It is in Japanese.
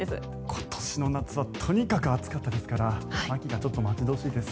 今年の夏はとにかく暑かったですから秋がちょっと待ち遠しいです。